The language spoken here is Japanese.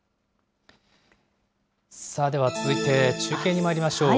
さあでは、続いて中継にまいりましょう。